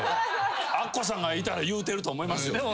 アッコさんがいたら言うてると思いますよ。